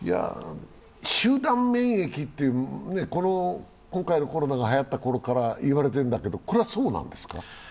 集団免役って、今回のコロナがはやったことから言われていますが、これはそうなんですか？